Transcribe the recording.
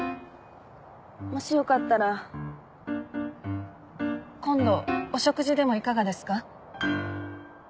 もしよかったら今度お食事でもいかがですか？